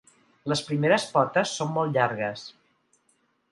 Les primeres potes són molt llargues.